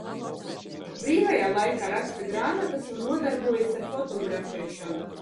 Brīvajā laikā raksta grāmatas un nodarbojas ar fotografēšanu.